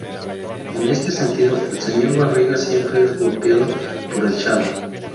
En este sentido, el señor Barriga siempre es golpeado por el Chavo.